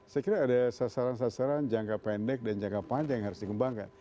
saya kira ada sasaran sasaran jangka pendek dan jangka panjang yang harus dikembangkan